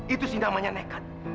itu sih namanya nekat